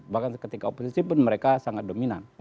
bahkan ketika oposisi pun mereka sangat dominan